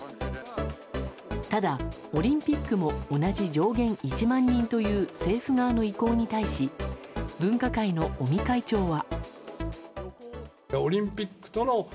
ただ、オリンピックも同じ上限１万人という政府側の意向に対し分科会の尾身会長は。